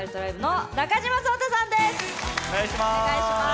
お願いします。